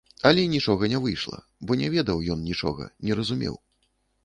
Але нічога не выйшла, бо не ведаў ён нічога, не разумеў.